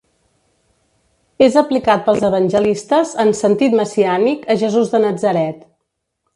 És aplicat pels evangelistes, en sentit messiànic, a Jesús de Natzaret.